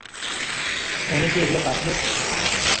ওনি কি এগুলো পাঠিয়েছে?